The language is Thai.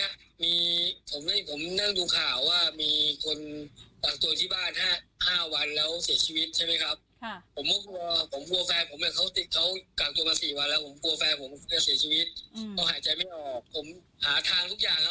ผมหายใจไม่ออกหาทางทุกอย่างแล้วก็ไม่มีใครลับอีกใครให้รอ